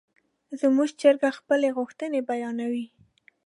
زموږ چرګه خپلې غوښتنې بیانوي.